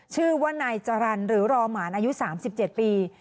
ชื่อว่านายจรรย์หรือรอหมานอายุ๓๗ปี